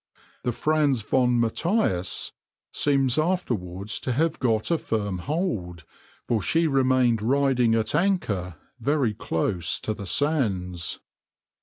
The {\itshape{Franz von Matheis}} seems afterwards to have got a firm hold, for she remained riding at anchor very close to the sands.